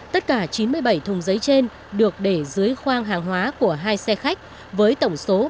tất cả chín mươi bảy thùng giấy trên được để dưới khoang hàng hóa của hai xe khách với tổng số ba mươi một bốn mươi quả trứng